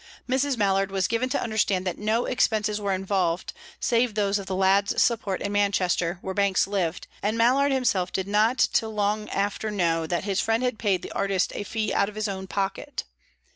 Mrs. Mallard was given to understand that no expenses were involved save those of the lad's support in Manchester, where Banks lived, and Mallard himself did not till long after know that his friend had paid the artist a fee out of his own pocket.